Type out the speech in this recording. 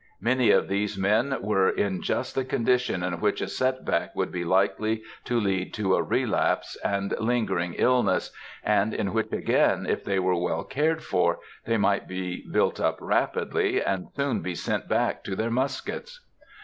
Many of these men were in just the condition in which a set back would be likely to lead to a relapse and lingering illness, and in which again, if they were well cared for, they might be built up rapidly, and soon be sent back to their muskets.